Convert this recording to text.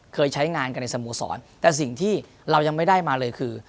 เคยใช้งานกันในสโมสรแต่สิ่งที่เรายังไม่ได้มาเลยคือ